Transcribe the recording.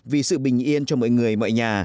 vì sự bình yên cho mọi người mọi nhà